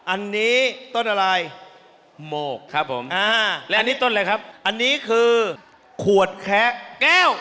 อันนี้ต้นอะไรหมกครับผมและอันนี้ต้นอะไรครับอันนี้คือขวดแคะแก้ว